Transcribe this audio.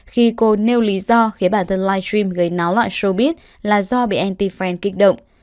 khi cô nêu lý do khiến bản thân livestream gây náo loại showbiz là do bị anti fan kích động